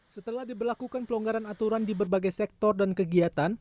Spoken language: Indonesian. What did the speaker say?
setelah diberlakukan pelonggaran aturan di berbagai sektor dan kegiatan